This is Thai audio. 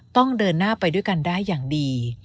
ต้องเดินหน้าไปด้วยกันได้อย่างดี